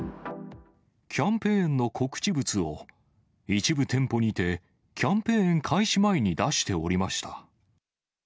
キャンペーンの告知物を、一部店舗にて、キャンペーン開始前に出しておりました。